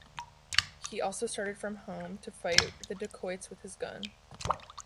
He also started from home to fight the dacoits with his gun.